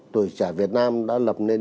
tuổi trẻ việt nam đã lập nên